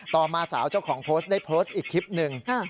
ต่อมาสาวเจ้าของโพสต์ได้โพสต์อีกคลิปหนึ่ง